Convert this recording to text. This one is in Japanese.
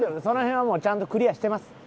その辺はもうちゃんとクリアしてます。